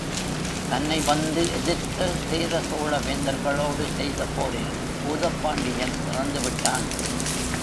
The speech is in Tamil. தன்னை வந்து எதிர்த்த சேர சோழ வேந்தர்களோடு செய்த போரில் பூதப்பாண்டியன் இறந்து விட்டான்.